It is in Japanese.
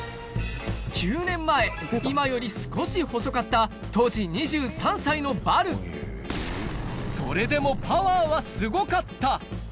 今より少し細かった当時２３歳のヴァルそれでもパワーはすごかった！